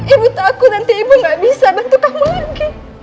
ibu tahuku nanti ibu gak bisa bantu kamu lagi